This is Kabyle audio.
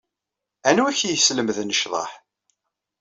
Anwa ay ak-yeslemden ccḍeḥ?